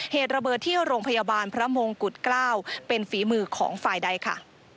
เหตุระเบิดที่โรงพยาบาลพระมงกุฎเกล้าเป็นฝีมือของฝ่ายใดค่ะ